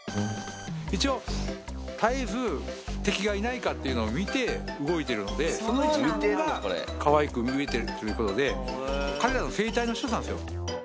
一応、絶えず敵がいないかというのを見て、動いているので、その一部分がかわいく見えてるっていうことで、彼らの生態の一つなんですよ。